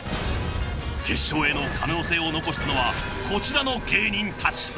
決勝への可能性を残したのはこちらの芸人たち。